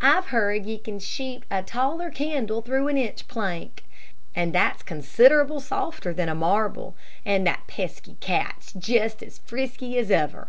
I've heard ye can shoot a taller candle through an inch plank and that's consid'able softer than a marble. And that pesky cat's jest as frisky as ever!"